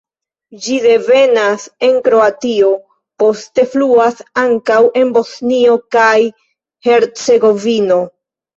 Ĝi devenas en Kroatio, poste fluas ankaŭ en Bosnio kaj Hercegovino.